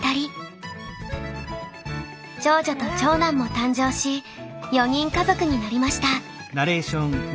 長女と長男も誕生し４人家族になりました。